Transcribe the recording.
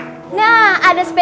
cepat kita spoken